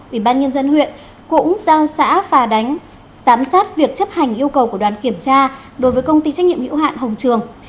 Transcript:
ủy ban nhân dân huyện cũng giao xã phà đánh giám sát việc chấp hành yêu cầu của đoàn kiểm tra đối với công ty trách nhiệm hữu hạn hồng trường